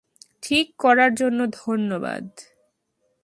ঠিক করার জন্য ধন্যবাদ।